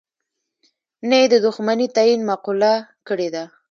نه یې د دوښمنی تعین معقوله کړې ده.